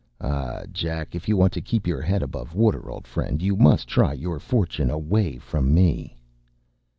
Ah, Jack, if you want to keep your head above water, old friend, you must try your fortune away from me.